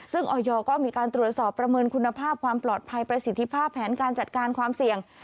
ซึ่งออยก็มีการตรวจสอบประเมินคุณภาพความปลอดภัยประสิทธิภาพแผนการจัดการความเสี่ยง